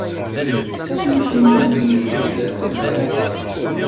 Amek i mmugen yizgaren n Dda Akli?